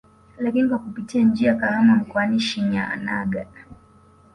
Lakini kwa kupitia njia Kahama mkoani Shinyanaga